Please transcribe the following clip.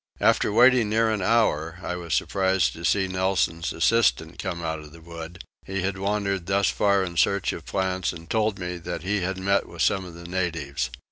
After waiting near an hour I was surprised to see Nelson's assistant come out of the wood: he had wandered thus far in search of plants and told me that he had met with some of the natives.